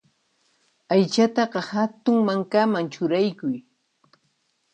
Aychataqa hatun mankaman churaykuy.